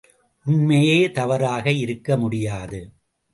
உண்மையே தவறாக இருக்க முடியாது.